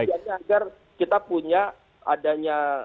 tujuannya agar kita punya adanya